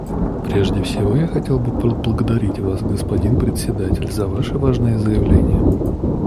Прежде всего я хотел бы поблагодарить Вас, господин Председатель, за Ваше важное заявление.